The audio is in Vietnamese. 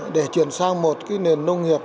để chuyển sang một nền nông nghiệp